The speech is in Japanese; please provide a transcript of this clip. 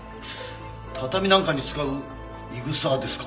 畳なんかに使うイグサですか？